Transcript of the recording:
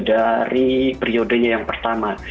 dari periodenya yang pertama